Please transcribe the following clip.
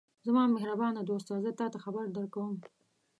زما مهربانه دوسته! زه تاته خبر درکوم.